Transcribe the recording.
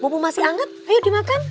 bubur masih hangat ayo dimakan